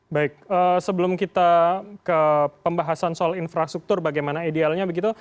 baik sebelum kita ke pembahasan soal infrastruktur bagaimana idealnya begitu